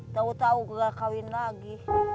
tahu tahu nggak kahwin lagi